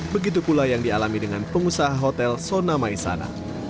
begitu pula yang dialami dengan pengusaha hotel sona maisana